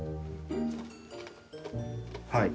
はい。